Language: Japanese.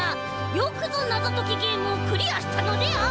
よくぞなぞときゲームをクリアしたのである。